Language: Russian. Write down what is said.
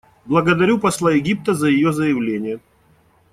Благодарю посла Египта за ее заявление.